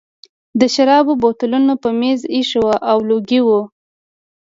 د شرابو بوتلونه په مېز ایښي وو او لوګي وو